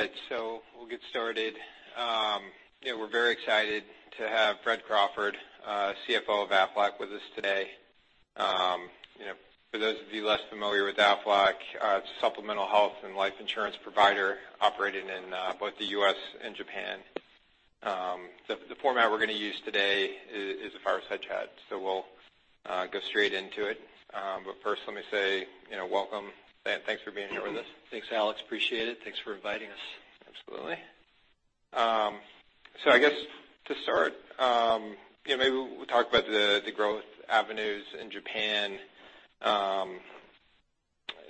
We'll get started. We're very excited to have Fred Crawford, CFO of Aflac, with us today. For those of you less familiar with Aflac, it's a supplemental health and life insurance provider operating in both the U.S. and Japan. The format we're going to use today is a fireside chat. We'll go straight into it. First, let me say welcome, and thanks for being here with us. Thanks, Alex. Appreciate it. Thanks for inviting us. Absolutely. I guess to start, maybe we'll talk about the growth avenues in Japan.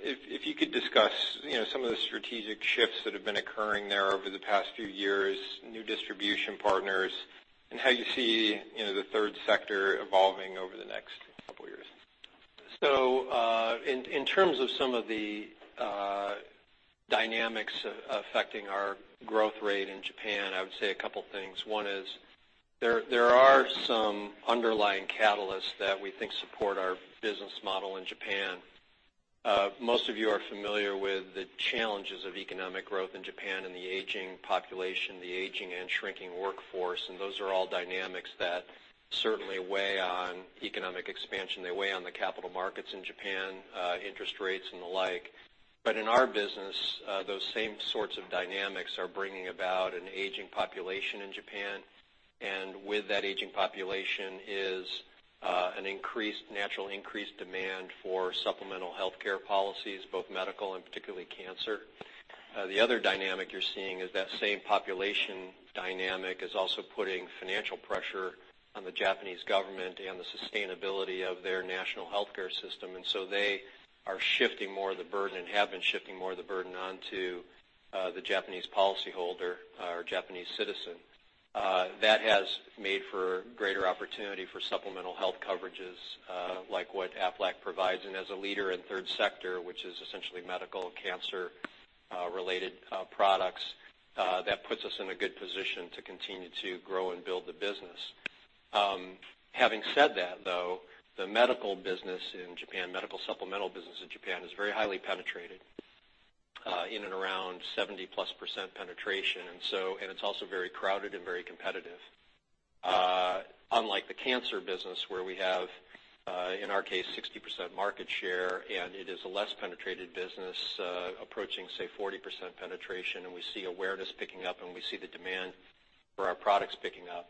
If you could discuss some of the strategic shifts that have been occurring there over the past few years, new distribution partners, and how you see the third sector evolving over the next couple of years. In terms of some of the dynamics affecting our growth rate in Japan, I would say a couple things. One is there are some underlying catalysts that we think support our business model in Japan. Most of you are familiar with the challenges of economic growth in Japan and the aging population, the aging and shrinking workforce, and those are all dynamics that certainly weigh on economic expansion. They weigh on the capital markets in Japan, interest rates and the like. In our business, those same sorts of dynamics are bringing about an aging population in Japan. With that aging population is a natural increased demand for supplemental healthcare policies, both medical and particularly cancer. The other dynamic you're seeing is that same population dynamic is also putting financial pressure on the Japanese government and the sustainability of their national healthcare system. They are shifting more of the burden and have been shifting more of the burden onto the Japanese policyholder or Japanese citizen. That has made for greater opportunity for supplemental health coverages, like what Aflac provides. As a leader in third sector, which is essentially medical cancer-related products, that puts us in a good position to continue to grow and build the business. Having said that, though, the medical business in Japan, medical supplemental business in Japan, is very highly penetrated, in and around 70+% penetration. It's also very crowded and very competitive. Unlike the cancer business where we have, in our case, 60% market share, it is a less penetrated business, approaching, say, 40% penetration, and we see awareness picking up, and we see the demand for our products picking up.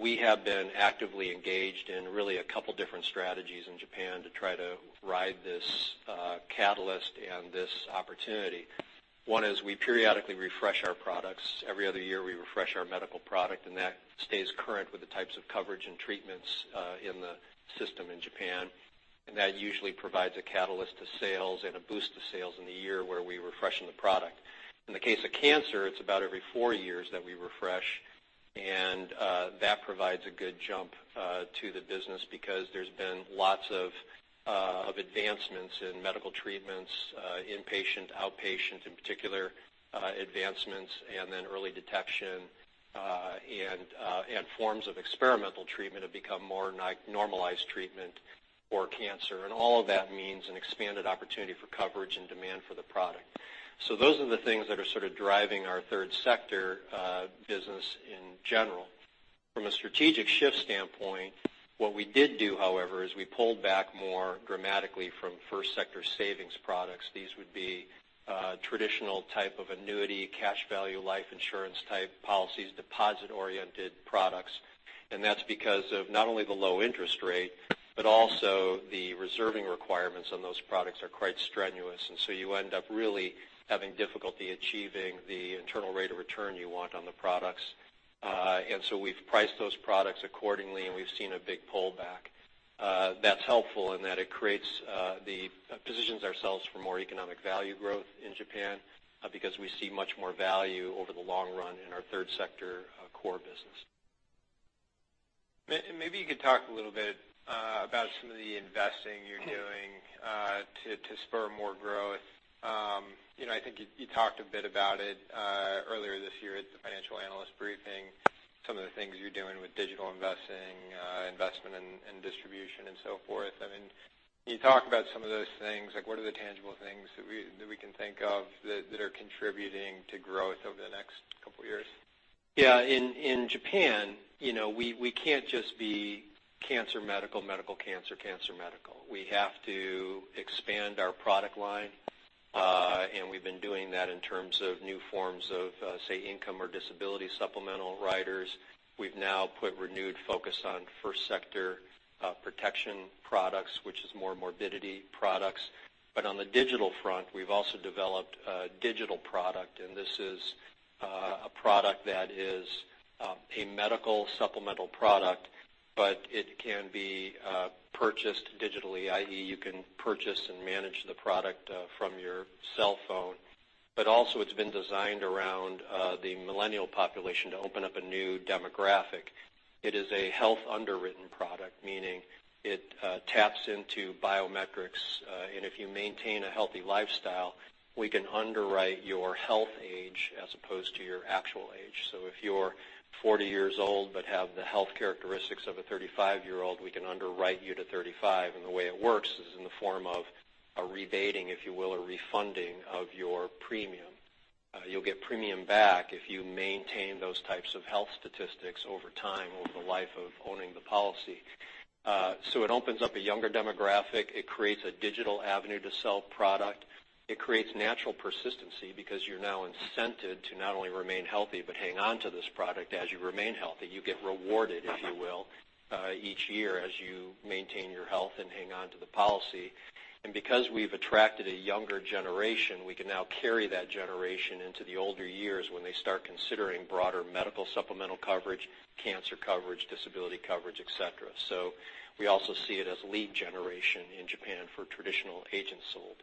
We have been actively engaged in really a couple different strategies in Japan to try to ride this catalyst and this opportunity. One is we periodically refresh our products. Every other year, we refresh our medical product, and that stays current with the types of coverage and treatments in the system in Japan. That usually provides a catalyst to sales and a boost to sales in the year where we're refreshing the product. In the case of cancer, it's about every four years that we refresh, and that provides a good jump to the business because there's been lots of advancements in medical treatments, inpatient, outpatient in particular, advancements, and then early detection and forms of experimental treatment have become more normalized treatment for cancer. All of that means an expanded opportunity for coverage and demand for the product. Those are the things that are sort of driving our third sector business in general. From a strategic shift standpoint, what we did do, however, is we pulled back more dramatically from first sector savings products. These would be traditional type of annuity, cash value, life insurance type policies, deposit-oriented products. That's because of not only the low interest rate, but also the reserving requirements on those products are quite strenuous. You end up really having difficulty achieving the internal rate of return you want on the products. We've priced those products accordingly, and we've seen a big pullback. That's helpful in that it positions ourselves for more economic value growth in Japan because we see much more value over the long run in our third sector core business. Maybe you could talk a little bit about some of the investing you're doing to spur more growth. I think you talked a bit about it earlier this year at the financial analyst briefing, some of the things you're doing with digital investing, investment in distribution and so forth. Can you talk about some of those things? What are the tangible things that we can think of that are contributing to growth over the next couple of years? Yeah. In Japan, we can't just be cancer medical cancer medical. We have to expand our product line, and we've been doing that in terms of new forms of, say, income or disability supplemental riders. We've now put renewed focus on first sector protection products, which is more morbidity products. On the digital front, we've also developed a digital product. This is a product that is a medical supplemental product, it can be purchased digitally, i.e., you can purchase and manage the product from your cell phone. Also, it's been designed around the millennial population to open up a new demographic. It is a health underwritten product, meaning it taps into biometrics, and if you maintain a healthy lifestyle, we can underwrite your health age as opposed to your actual age. If you're 40 years old but have the health characteristics of a 35-year-old, we can underwrite you to 35. The way it works is in the form of a rebating, if you will, a refunding of your premium. You'll get premium back if you maintain those types of health statistics over time, over the life of owning the policy. It opens up a younger demographic. It creates a digital avenue to sell product. It creates natural persistency because you're now incented to not only remain healthy but hang on to this product as you remain healthy. You get rewarded, if you will, each year as you maintain your health and hang on to the policy. Because we've attracted a younger generation, we can now carry that generation into the older years when they start considering broader medical supplemental coverage, cancer coverage, disability coverage, et cetera. We also see it as lead generation in Japan for traditional agent sold.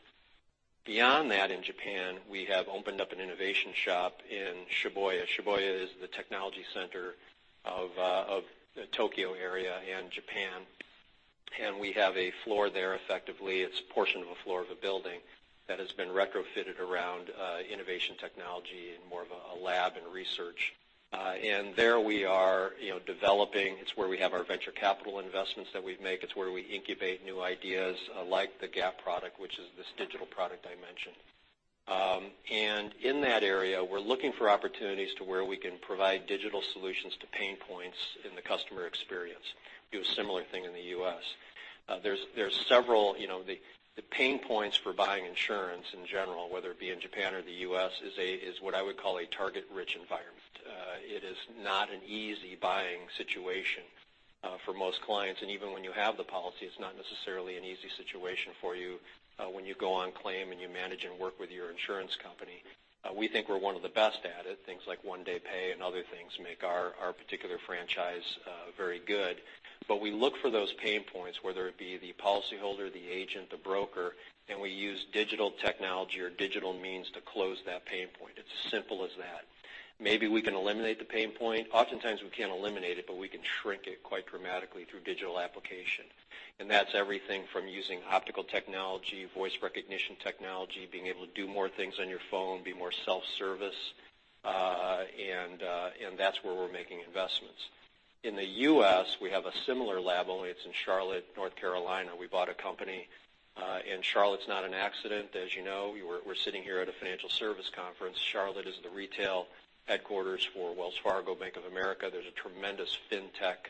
Beyond that, in Japan, we have opened up an innovation shop in Shibuya. Shibuya is the technology center of the Tokyo area and Japan. We have a floor there, effectively, it's a portion of a floor of a building that has been retrofitted around innovation technology and more of a lab and research. There we are developing. It's where we have our venture capital investments that we make. It's where we incubate new ideas like the GAP product, which is this digital product I mentioned. In that area, we're looking for opportunities to where we can provide digital solutions to pain points in the customer experience, do a similar thing in the U.S. The pain points for buying insurance in general, whether it be in Japan or the U.S., is what I would call a target-rich environment. It is not an easy buying situation for most clients, and even when you have the policy, it's not necessarily an easy situation for you when you go on claim and you manage and work with your insurance company. We think we're one of the best at it. Things like One Day Pay and other things make our particular franchise very good. We look for those pain points, whether it be the policyholder, the agent, the broker, and we use digital technology or digital means to close that pain point. It's as simple as that. Maybe we can eliminate the pain point. Oftentimes we can't eliminate it, we can shrink it quite dramatically through digital application. That's everything from using optical technology, voice recognition technology, being able to do more things on your phone, be more self-service, and that's where we're making investments. In the U.S., we have a similar lab, only it's in Charlotte, North Carolina. We bought a company in Charlotte. It's not an accident. As you know, we're sitting here at a financial service conference. Charlotte is the retail headquarters for Wells Fargo, Bank of America. There's a tremendous fintech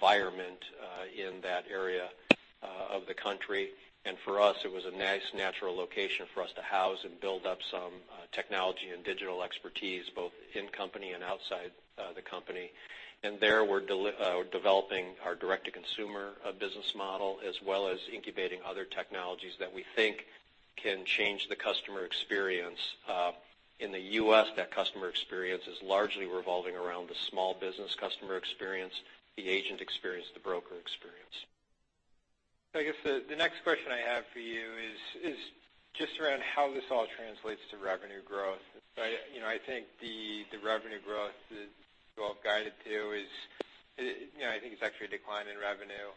environment in that area of the country. For us, it was a nice natural location for us to house and build up some technology and digital expertise, both in company and outside the company. There we're developing our direct-to-consumer business model as well as incubating other technologies that we think can change the customer experience. In the U.S., that customer experience is largely revolving around the small business customer experience, the agent experience, the broker experience. I guess the next question I have for you is just around how this all translates to revenue growth. I think the revenue growth you all guided to is, I think it's actually a decline in revenue,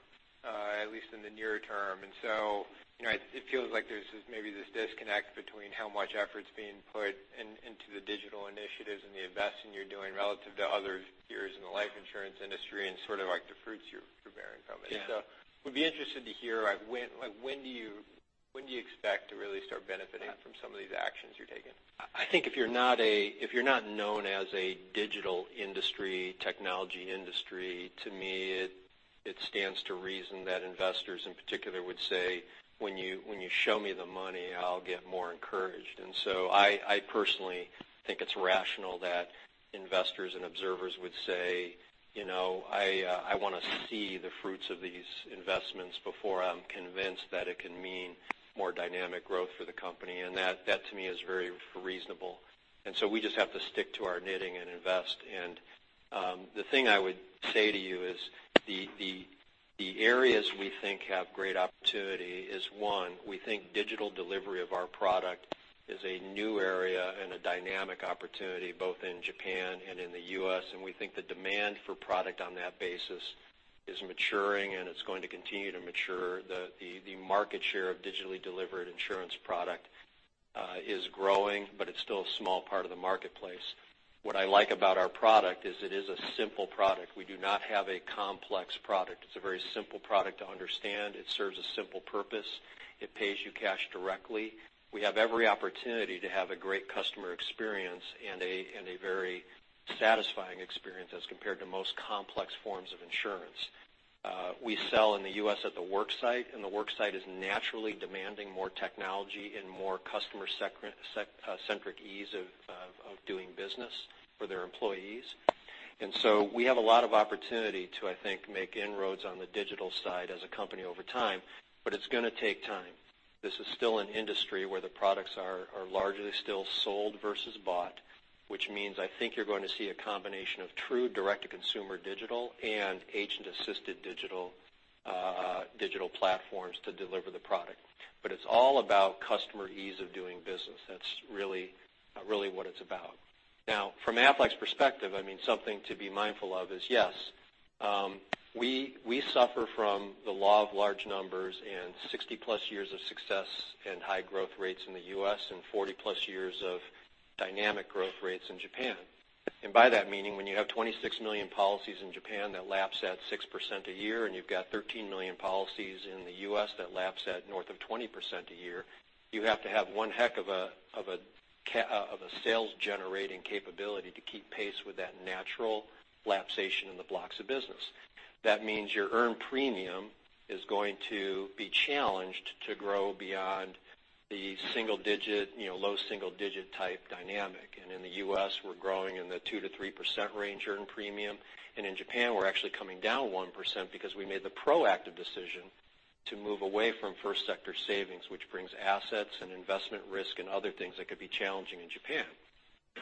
at least in the near term. It feels like there's maybe this disconnect between how much effort's being put into the digital initiatives and the investing you're doing relative to other peers in the life insurance industry and sort of like the fruits you're bearing from it. Yeah. Would be interested to hear, when do you expect to really start benefiting from some of these actions you're taking? I think if you're not known as a digital industry, technology industry, to me, it stands to reason that investors in particular would say, "When you show me the money, I'll get more encouraged." I personally think it's rational that investors and observers would say, "I want to see the fruits of these investments before I'm convinced that it can mean more dynamic growth for the company." That to me is very reasonable. We just have to stick to our knitting and invest. The thing I would say to you is the areas we think have great opportunity is, 1, we think digital delivery of our product is a new area and a dynamic opportunity both in Japan and in the U.S. We think the demand for product on that basis is maturing, and it's going to continue to mature. The market share of digitally delivered insurance product is growing, but it's still a small part of the marketplace. What I like about our product is it is a simple product. We do not have a complex product. It's a very simple product to understand. It serves a simple purpose. It pays you cash directly. We have every opportunity to have a great customer experience and a very satisfying experience as compared to most complex forms of insurance. We sell in the U.S. at the work site, the work site is naturally demanding more technology and more customer-centric ease of doing business for their employees. We have a lot of opportunity to, I think, make inroads on the digital side as a company over time, but it's going to take time. This is still an industry where the products are largely still sold versus bought, which means I think you're going to see a combination of true direct-to-consumer digital and agent-assisted digital platforms to deliver the product. It's all about customer ease of doing business. That's really what it's about. Now, from Aflac's perspective, something to be mindful of is, yes, we suffer from the law of large numbers and 60-plus years of success and high growth rates in the U.S. and 40-plus years of dynamic growth rates in Japan. By that, meaning when you have 26 million policies in Japan that lapse at 6% a year, you've got 13 million policies in the U.S. that lapse at north of 20% a year, you have to have one heck of a sales-generating capability to keep pace with that natural lapsation in the blocks of business. That means your earned premium is going to be challenged to grow beyond the low single-digit type dynamic. In the U.S., we're growing in the 2%-3% range earned premium. In Japan, we're actually coming down 1% because we made the proactive decision to move away from first sector savings, which brings assets and investment risk and other things that could be challenging in Japan.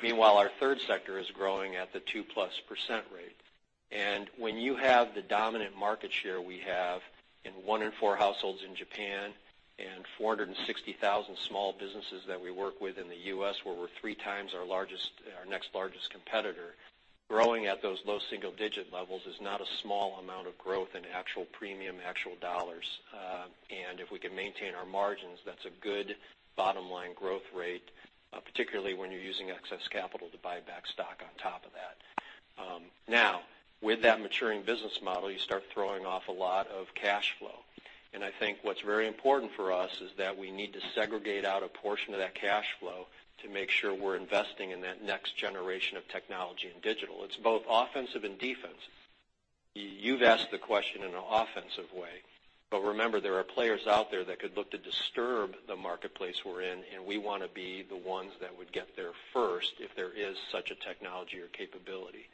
Meanwhile, our third sector is growing at the 2-plus percent rate. When you have the dominant market share we have in one in four households in Japan and 460,000 small businesses that we work with in the U.S., where we're three times our next largest competitor, growing at those low single-digit levels is not a small amount of growth in actual premium, actual JPY. If we can maintain our margins, that's a good bottom-line growth rate, particularly when you're using excess capital to buy back stock on top of that. With that maturing business model, you start throwing off a lot of cash flow. I think what's very important for us is that we need to segregate out a portion of that cash flow to make sure we're investing in that next generation of technology and digital. It's both offensive and defense. You've asked the question in an offensive way, remember, there are players out there that could look to disturb the marketplace we're in, and we want to be the ones that would get there first if there is such a technology or capability.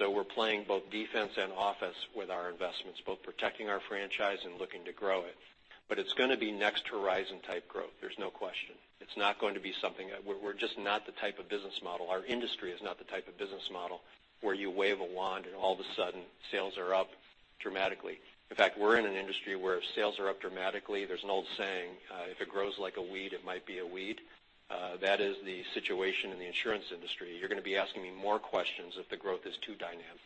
We're playing both defense and offense with our investments, both protecting our franchise and looking to grow it. It's going to be next horizon type growth. There's no question. It's not going to be something. We're just not the type of business model, our industry is not the type of business model where you wave a wand, and all of a sudden, sales are up dramatically. In fact, we're in an industry where if sales are up dramatically, there's an old saying, if it grows like a weed, it might be a weed. That is the situation in the insurance industry. You're going to be asking me more questions if the growth is too dynamic.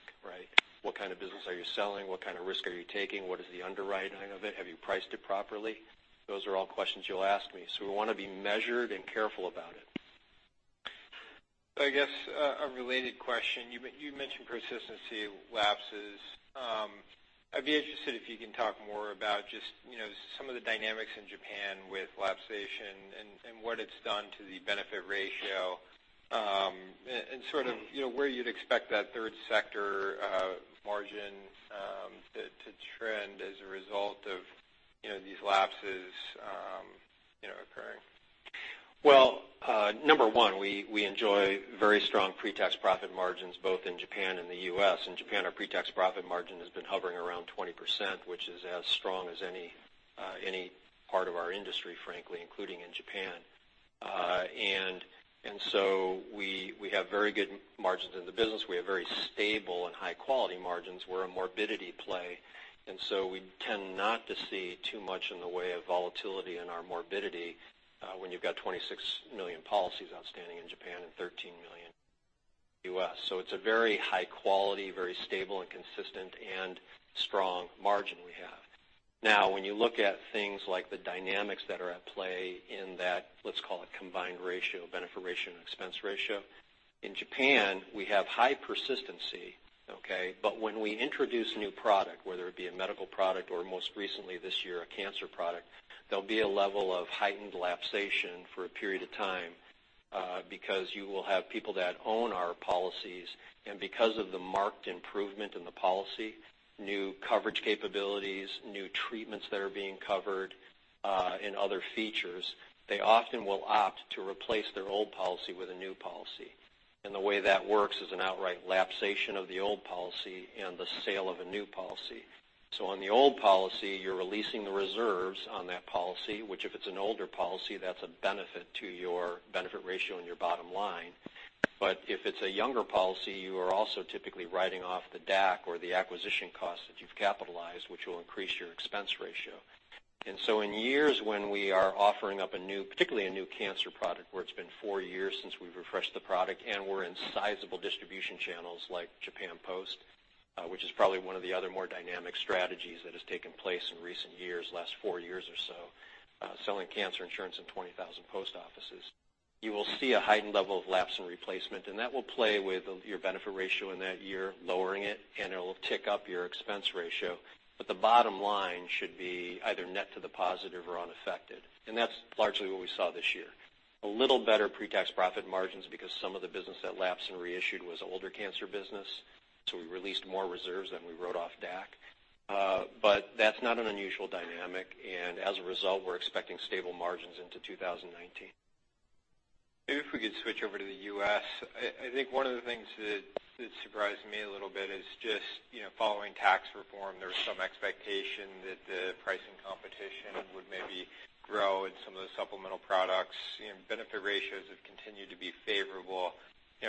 What kind of business are you selling? What kind of risk are you taking? What is the underwriting of it? Have you priced it properly? Those are all questions you'll ask me, so we want to be measured and careful about it. I guess a related question. You mentioned persistency lapses. I'd be interested if you can talk more about just some of the dynamics in Japan with lapsation and what it's done to the benefit ratio, and where you'd expect that third sector margin to trend as a result of these lapses occurring. Number one, we enjoy very strong pre-tax profit margins both in Japan and the U.S. In Japan, our pre-tax profit margin has been hovering around 20%, which is as strong as any part of our industry, frankly, including in Japan. We have very good margins in the business. We have very stable and high-quality margins. We're a morbidity play, and so we tend not to see too much in the way of volatility in our morbidity when you've got 26 million policies outstanding in Japan and 13 million in the U.S. It's a very high quality, very stable and consistent, and strong margin we have. When you look at things like the dynamics that are at play in that, let's call it combined ratio, benefit ratio, and expense ratio. In Japan, we have high persistency, okay? When we introduce a new product, whether it be a medical product or most recently this year, a cancer product, there'll be a level of heightened lapsation for a period of time, because you will have people that own our policies, and because of the marked improvement in the policy, new coverage capabilities, new treatments that are being covered, and other features, they often will opt to replace their old policy with a new policy. The way that works is an outright lapsation of the old policy and the sale of a new policy. On the old policy, you're releasing the reserves on that policy, which if it's an older policy, that's a benefit to your benefit ratio and your bottom line. If it's a younger policy, you are also typically writing off the DAC or the acquisition cost that you've capitalized, which will increase your expense ratio. In years when we are offering up a new, particularly a new cancer product, where it's been four years since we've refreshed the product, and we're in sizable distribution channels like Japan Post, which is probably one of the other more dynamic strategies that has taken place in recent years, last four years or so, selling cancer insurance in 20,000 post offices. You will see a heightened level of lapse and replacement, and that will play with your benefit ratio in that year, lowering it, and it'll tick up your expense ratio. The bottom line should be either net to the positive or unaffected. That's largely what we saw this year. A little better pre-tax profit margins because some of the business that lapsed and reissued was older cancer business, we released more reserves than we wrote off DAC. That's not an unusual dynamic, and as a result, we're expecting stable margins into 2019. Maybe if we could switch over to the U.S. One of the things that surprised me a little bit is just following tax reform, there was some expectation that the pricing competition would maybe grow in some of the supplemental products. Benefit ratios have continued to be favorable. In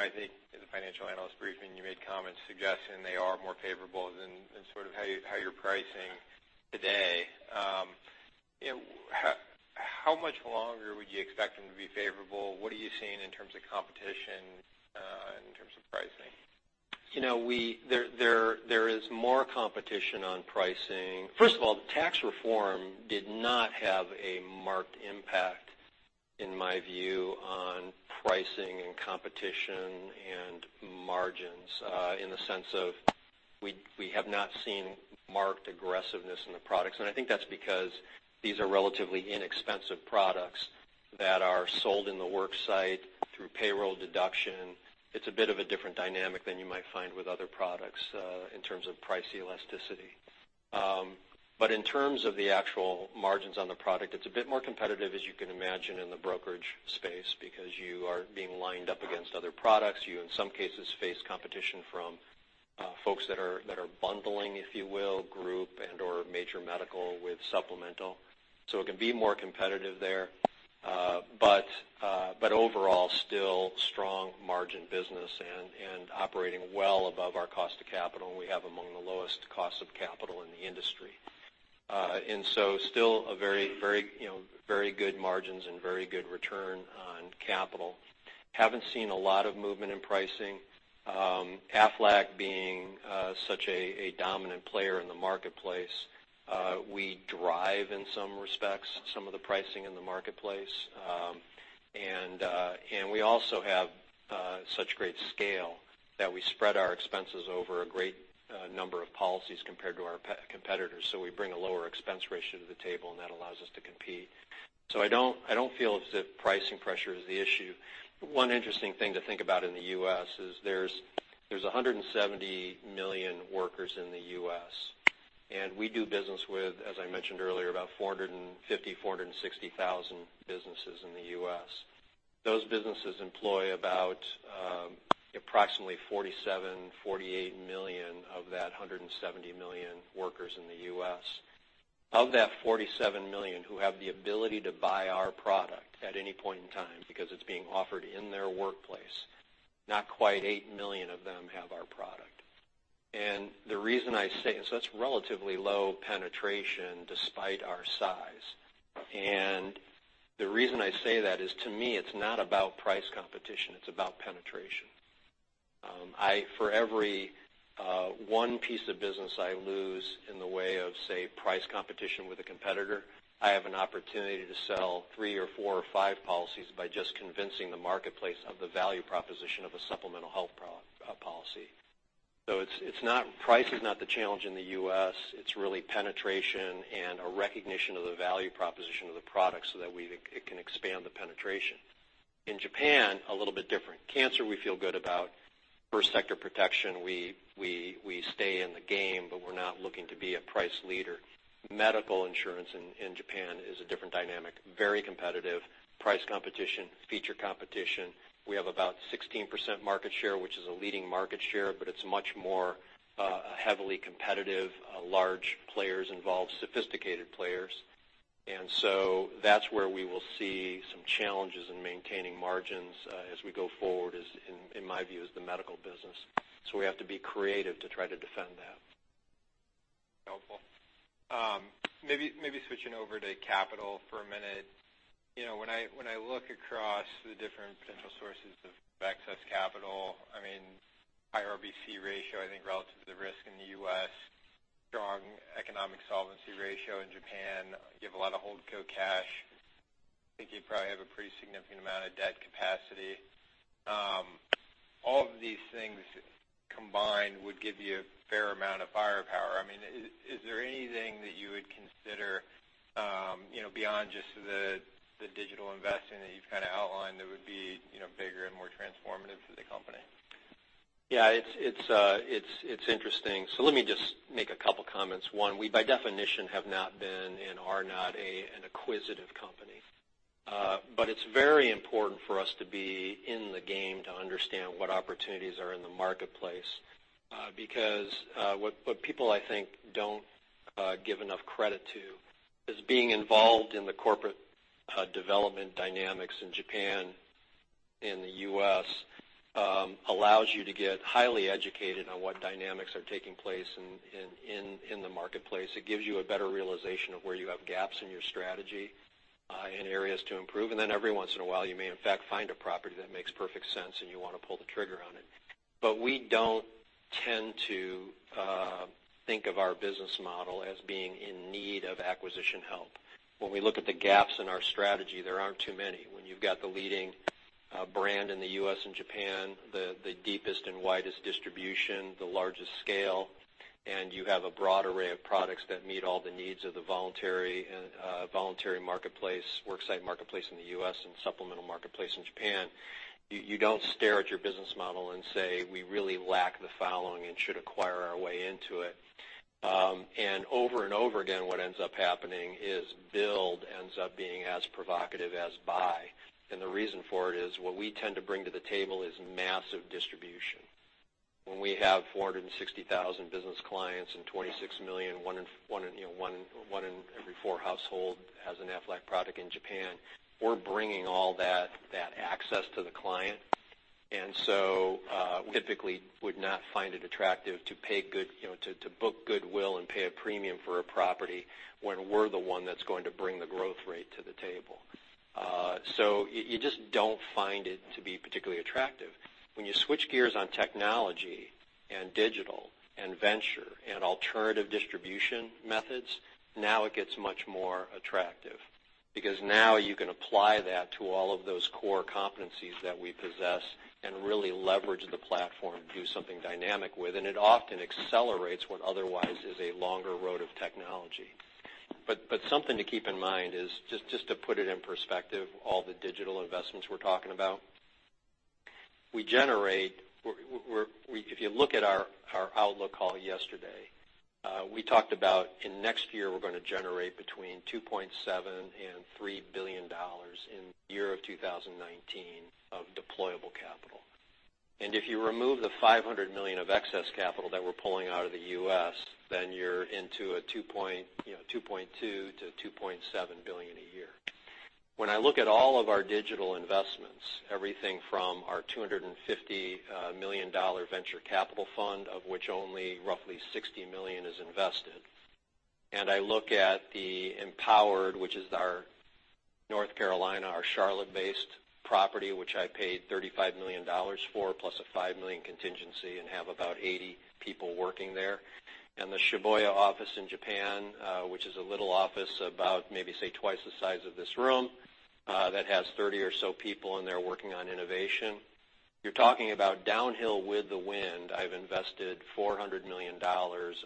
the financial analyst briefing, you made comments suggesting they are more favorable than sort of how you're pricing today. How much longer would you expect them to be favorable? What are you seeing in terms of competition, in terms of pricing? There is more competition on pricing. First of all, tax reform did not have a marked impact, in my view, on pricing competition and margins in the sense of we have not seen marked aggressiveness in the products, and I think that's because these are relatively inexpensive products that are sold in the work site through payroll deduction. It's a bit of a different dynamic than you might find with other products in terms of price elasticity. In terms of the actual margins on the product, it's a bit more competitive, as you can imagine, in the brokerage space, because you are being lined up against other products. You, in some cases, face competition from folks that are bundling, if you will, group and/or major medical with supplemental. It can be more competitive there. Overall, still strong margin business and operating well above our cost of capital, and we have among the lowest costs of capital in the industry. Still a very good margins and very good return on capital. Haven't seen a lot of movement in pricing. Aflac being such a dominant player in the marketplace, we drive, in some respects, some of the pricing in the marketplace. We also have such great scale that we spread our expenses over a great number of policies compared to our competitors. We bring a lower expense ratio to the table, and that allows us to compete. I don't feel as if pricing pressure is the issue. One interesting thing to think about in the U.S. is there's 170 million workers in the U.S., and we do business with, as I mentioned earlier, about 450,000, 460,000 businesses in the U.S. Those businesses employ approximately 47, 48 million of that 170 million workers in the U.S. Of that 47 million who have the ability to buy our product at any point in time because it's being offered in their workplace, not quite 8 million of them have our product. That's relatively low penetration despite our size. The reason I say that is, to me, it's not about price competition, it's about penetration. For every one piece of business I lose in the way of, say, price competition with a competitor, I have an opportunity to sell three or four or five policies by just convincing the marketplace of the value proposition of a supplemental health policy. Price is not the challenge in the U.S., it's really penetration and a recognition of the value proposition of the product so that it can expand the penetration. In Japan, a little bit different. Cancer we feel good about. First sector protection, we stay in the game, but we're not looking to be a price leader. Medical insurance in Japan is a different dynamic. Very competitive, price competition, feature competition. We have about 16% market share, which is a leading market share, but it's much more heavily competitive. Large players involved, sophisticated players. That's where we will see some challenges in maintaining margins as we go forward as, in my view, is the medical business. We have to be creative to try to defend that. Helpful. Maybe switching over to capital for a minute. When I look across the different potential sources of excess capital, I mean, high RBC ratio, I think relative to the risk in the U.S., strong economic solvency ratio in Japan, you have a lot of hold co cash. I think you probably have a pretty significant amount of debt capacity. All of these things combined would give you a fair amount of firepower. Is there anything that you would consider beyond just the digital investing that you've outlined that would be bigger and more transformative to the company? Yeah, it's interesting. Let me just make a couple comments. One, we, by definition, have not been and are not an acquisitive company. It's very important for us to be in the game to understand what opportunities are in the marketplace. What people, I think, don't give enough credit to is being involved in the corporate development dynamics in Japan and the U.S. allows you to get highly educated on what dynamics are taking place in the marketplace. It gives you a better realization of where you have gaps in your strategy, and areas to improve. Every once in a while, you may in fact find a property that makes perfect sense and you want to pull the trigger on it. We don't tend to think of our business model as being in need of acquisition help. When we look at the gaps in our strategy, there aren't too many. When you've got the leading brand in the U.S. and Japan, the deepest and widest distribution, the largest scale, and you have a broad array of products that meet all the needs of the voluntary marketplace, work site marketplace in the U.S. and supplemental marketplace in Japan, you don't stare at your business model and say, "We really lack the following and should acquire our way into it." Over and over again, what ends up happening is build ends up being as provocative as buy. The reason for it is what we tend to bring to the table is massive distribution. When we have 460,000 business clients and 26 million, one in every four household has an Aflac product in Japan, we're bringing all that access to the client. We typically would not find it attractive to book goodwill and pay a premium for a property when we're the one that's going to bring the growth rate to the table. You just don't find it to be particularly attractive. When you switch gears on technology and digital and venture and alternative distribution methods, now it gets much more attractive because now you can apply that to all of those core competencies that we possess and really leverage the platform, do something dynamic with, and it often accelerates what otherwise is a longer road of technology. Something to keep in mind is, just to put it in perspective, all the digital investments we're talking about. If you look at our outlook call yesterday, we talked about in next year, we're going to generate between $2.7 billion and $3 billion in the year of 2019 of deployable capital. If you remove the $500 million of excess capital that we're pulling out of the U.S., then you're into a $2.2 billion-$2.7 billion a year. When I look at all of our digital investments, everything from our $250 million venture capital fund, of which only roughly $60 million is invested, I look at the Empowered, which is our N.C., our Charlotte-based property, which I paid $35 million for, plus a $5 million contingency, and have about 80 people working there. The Shibuya office in Japan, which is a little office about maybe, say, twice the size of this room, that has 30 or so people in there working on innovation. You're talking about downhill with the wind. I've invested $400 million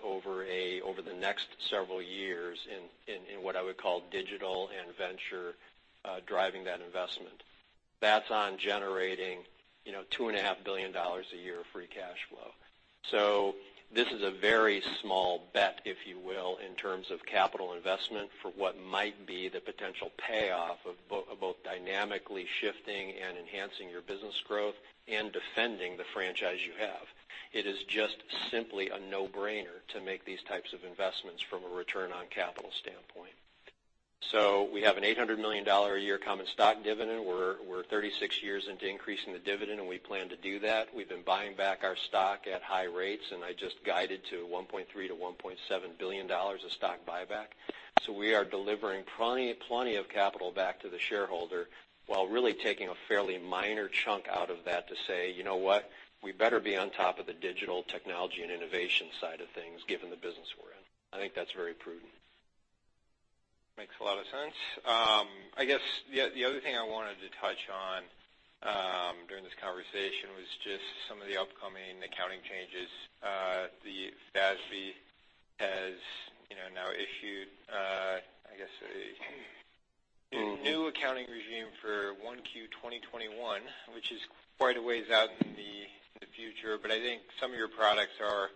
over the next several years in what I would call digital and venture driving that investment. That's on generating $2.5 billion a year of free cash flow. This is a very small bet, if you will, in terms of capital investment for what might be the potential payoff of both dynamically shifting and enhancing your business growth and defending the franchise you have. It is just simply a no-brainer to make these types of investments from a return on capital standpoint. We have a $800 million a year common stock dividend. We're 36 years into increasing the dividend, and we plan to do that. We've been buying back our stock at high rates, and I just guided to $1.3 billion-$1.7 billion of stock buyback. We are delivering plenty of capital back to the shareholder while really taking a fairly minor chunk out of that to say, "You know what? We better be on top of the digital technology and innovation side of things, given the business we're in." I think that's very prudent. Makes a lot of sense. I guess the other thing I wanted to touch on during this conversation was just some of the upcoming accounting changes. The FASB has now issued, I guess, a new accounting regime for 1Q 2021, which is quite a ways out in the future. I think some of your products are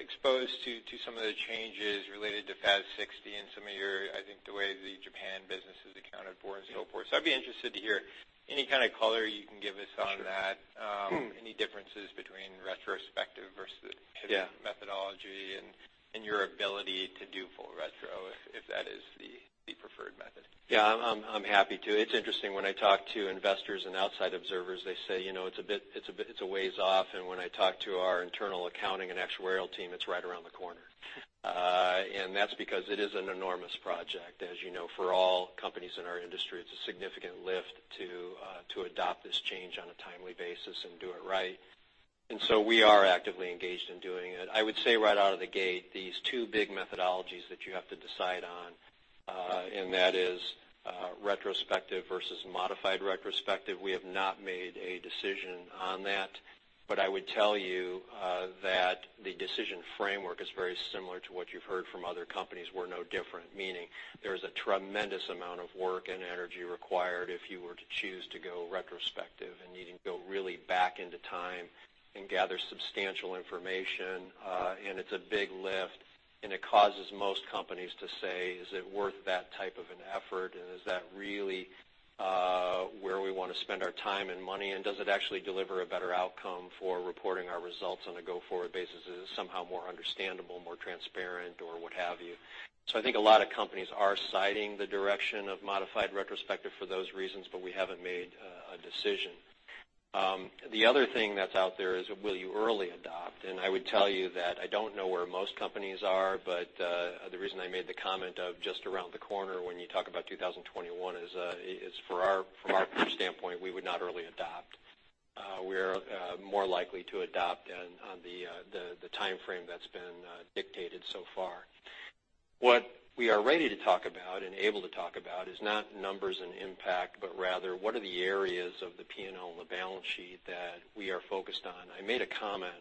exposed to some of the changes related to FAS 60 and some of your, I think the way the Japan business is accounted for and so forth. I'd be interested to hear any kind of color you can give us on that. Sure. Any differences between retrospective versus- Yeah methodology and your ability to do full retro, if that is the preferred method. Yeah, I'm happy to. It's interesting when I talk to investors and outside observers, they say it's a ways off. When I talk to our internal accounting and actuarial team, it's right around the corner. That's because it is an enormous project. As you know, for all companies in our industry, it's a significant lift to adopt this change on a timely basis and do it right. We are actively engaged in doing it. I would say right out of the gate, these two big methodologies that you have to decide on, and that is retrospective versus modified retrospective, we have not made a decision on that. I would tell you that the decision framework is very similar to what you've heard from other companies. We're no different, meaning there's a tremendous amount of work and energy required if you were to choose to go retrospective and needing to go really back into time and gather substantial information. It's a big lift, and it causes most companies to say, "Is it worth that type of an effort? And is that really where we want to spend our time and money? And does it actually deliver a better outcome for reporting our results on a go-forward basis? Is it somehow more understandable, more transparent or what have you?" I think a lot of companies are citing the direction of modified retrospective for those reasons, but we haven't made a decision. The other thing that's out there is will you early adopt? I would tell you that I don't know where most companies are, the reason I made the comment of just around the corner when you talk about 2021 is, from our standpoint, we would not early adopt. We're more likely to adopt on the timeframe that's been dictated so far. What we are ready to talk about and able to talk about is not numbers and impact, but rather what are the areas of the P&L and the balance sheet that we are focused on. I made a comment,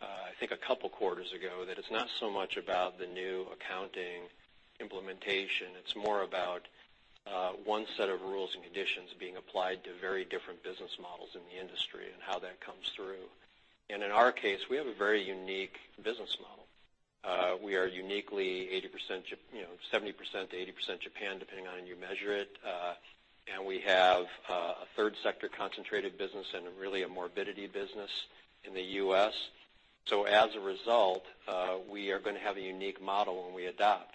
I think a couple of quarters ago, that it's not so much about the new accounting implementation. It's more about one set of rules and conditions being applied to very different business models in the industry and how that comes through. In our case, we have a very unique business model. We are uniquely 70%-80% Japan, depending on how you measure it. We have a third sector concentrated business and really a morbidity business in the U.S. As a result, we are going to have a unique model when we adopt.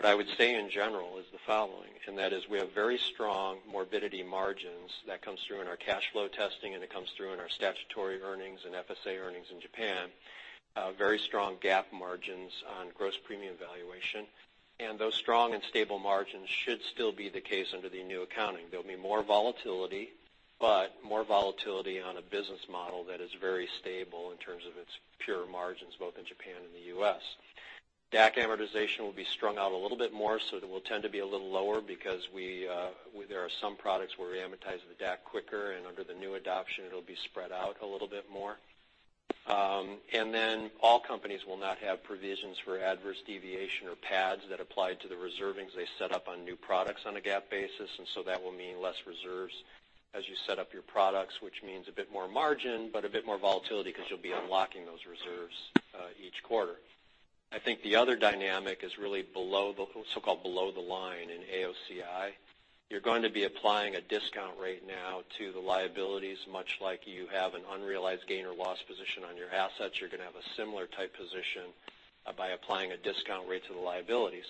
What I would say in general is the following, that is we have very strong morbidity margins that comes through in our cash flow testing, and it comes through in our statutory earnings and FSA earnings in Japan. Very strong GAAP margins on gross premium valuation. Those strong and stable margins should still be the case under the new accounting. There'll be more volatility, but more volatility on a business model that is very stable in terms of its pure margins both in Japan and the U.S. DAC amortization will be strung out a little bit more, that will tend to be a little lower because there are some products where we amortize the DAC quicker, and under the new adoption, it'll be spread out a little bit more. All companies will not have provisions for adverse deviation or pads that applied to the reservings they set up on new products on a GAAP basis. That will mean less reserves as you set up your products, which means a bit more margin, but a bit more volatility because you'll be unlocking those reserves each quarter. I think the other dynamic is really so-called below the line in AOCI. You're going to be applying a discount rate now to the liabilities, much like you have an unrealized gain or loss position on your assets. You're going to have a similar type position by applying a discount rate to the liabilities.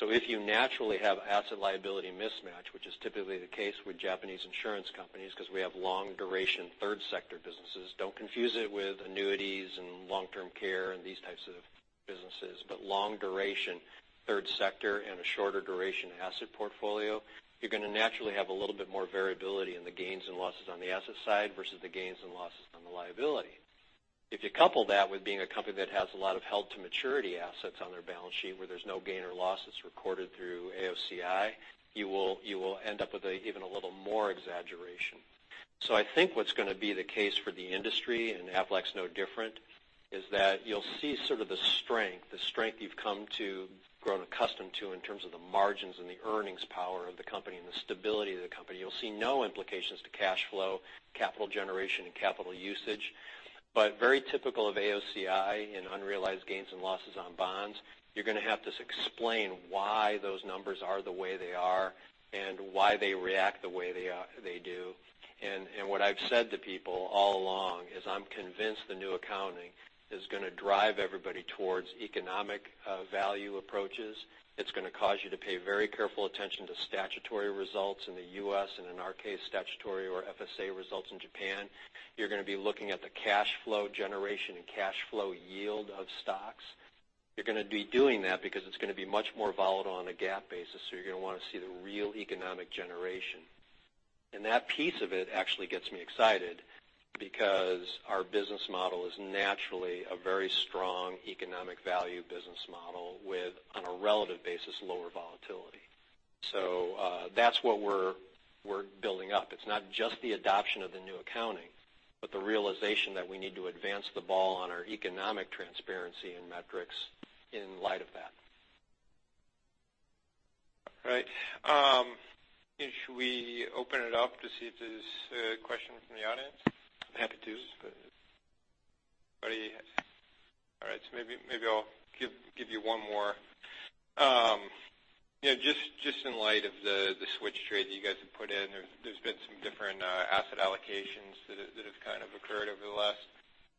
If you naturally have asset liability mismatch, which is typically the case with Japanese insurance companies because we have long duration third sector businesses, don't confuse it with annuities and long-term care and these types of businesses, but long duration third sector and a shorter duration asset portfolio, you're going to naturally have a little bit more variability in the gains and losses on the asset side versus the gains and losses on the liability. If you couple that with being a company that has a lot of held-to-maturity assets on their balance sheet where there's no gain or loss that's recorded through AOCI, you will end up with even a little more exaggeration. I think what's going to be the case for the industry, and Aflac's no different, is that you'll see the strength you've grown accustomed to in terms of the margins and the earnings power of the company and the stability of the company. You'll see no implications to cash flow, capital generation, and capital usage. Very typical of AOCI and unrealized gains and losses on bonds, you're going to have to explain why those numbers are the way they are and why they react the way they do. What I've said to people all along is I'm convinced the new accounting is going to drive everybody towards economic value approaches. It's going to cause you to pay very careful attention to statutory results in the U.S., and in our case, statutory or FSA results in Japan. You're going to be looking at the cash flow generation and cash flow yield of stocks. You're going to be doing that because it's going to be much more volatile on a GAAP basis, so you're going to want to see the real economic generation. That piece of it actually gets me excited because our business model is naturally a very strong economic value business model with, on a relative basis, lower volatility. That's what we're building up. It's not just the adoption of the new accounting, but the realization that we need to advance the ball on our economic transparency and metrics in light of that. All right. Should we open it up to see if there's a question from the audience? Happy to. Maybe I'll give you one more. Just in light of the switch trade that you guys have put in, there's been some different asset allocations that have occurred over the last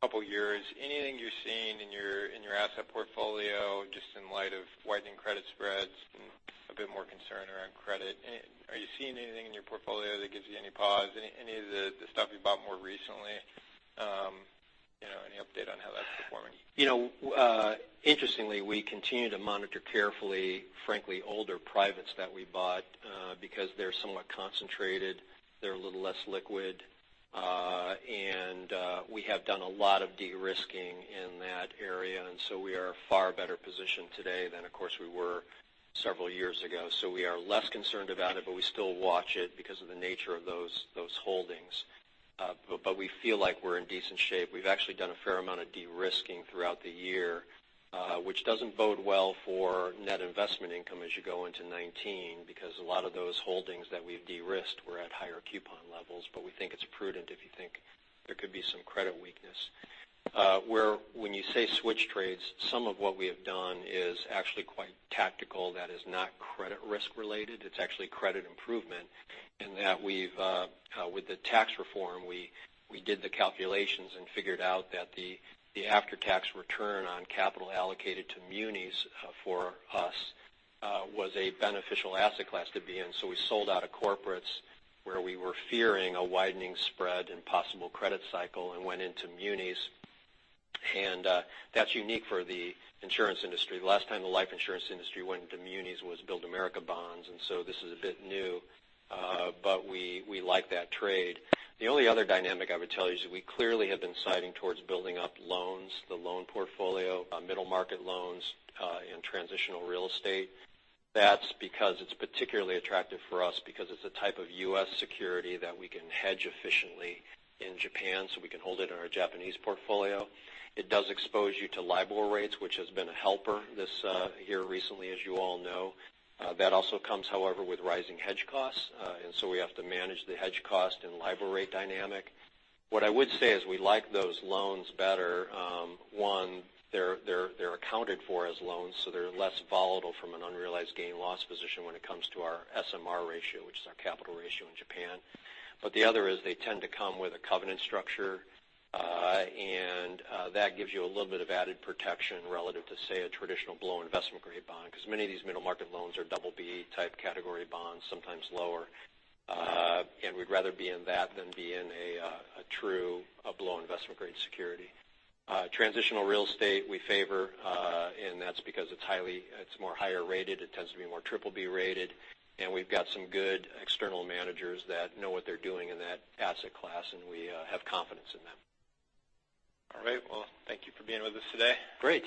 couple of years. Anything you're seeing in your asset portfolio, just in light of widening credit spreads and a bit more concern around credit? Are you seeing anything in your portfolio that gives you any pause? Any of the stuff you bought more recently, any update on how that's performing? Interestingly, we continue to monitor carefully, frankly, older privates that we bought because they're somewhat concentrated, they're a little less liquid. We have done a lot of de-risking in that area, and we are far better positioned today than, of course, we were several years ago. We are less concerned about it, but we still watch it because of the nature of those holdings. We feel like we're in decent shape. We've actually done a fair amount of de-risking throughout the year, which doesn't bode well for net investment income as you go into 2019, because a lot of those holdings that we've de-risked were at higher coupon levels. We think it's prudent if you think there could be some credit weakness. When you say switch trades, some of what we have done is actually quite tactical that is not credit risk related. It's actually credit improvement in that with the tax reform, we did the calculations and figured out that the after-tax return on capital allocated to munis for us was a beneficial asset class to be in. We sold out of corporates where we were fearing a widening spread and possible credit cycle and went into munis. That's unique for the insurance industry. The last time the life insurance industry went into munis was Build America Bonds, this is a bit new. We like that trade. The only other dynamic I would tell you is that we clearly have been citing towards building up loans, the loan portfolio, middle market loans, and transitional real estate. That's because it's particularly attractive for us because it's a type of U.S. security that we can hedge efficiently in Japan, so we can hold it in our Japanese portfolio. It does expose you to LIBOR rates, which has been a helper this year recently, as you all know. That also comes, however, with rising hedge costs, we have to manage the hedge cost and LIBOR rate dynamic. What I would say is we like those loans better. One, they're accounted for as loans, so they're less volatile from an unrealized gain loss position when it comes to our SMR ratio, which is our capital ratio in Japan. The other is they tend to come with a covenant structure, and that gives you a little bit of added protection relative to, say, a traditional below investment grade bond because many of these middle market loans are BB type category bonds, sometimes lower. We'd rather be in that than be in a true below investment grade security. Transitional real estate we favor. That's because it's more higher rated. It tends to be more BBB rated. We've got some good external managers that know what they're doing in that asset class. We have confidence in them. All right. Well, thank you for being with us today. Great.